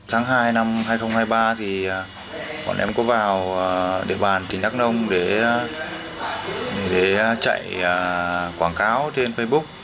tháng hai năm hai nghìn hai mươi ba thì bọn em có vào địa bàn tỉnh đắk nông để chạy quảng cáo trên facebook